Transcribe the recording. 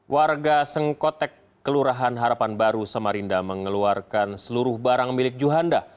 warga sengkotek kelurahan harapan baru samarinda mengeluarkan seluruh barang milik juhanda